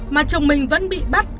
mà chồng mình vẫn bị bắt